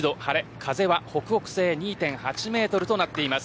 風は北北西２．８メートルとなっています。